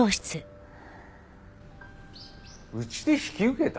うちで引き受けた！？